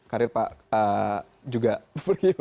karir pak juga berkibar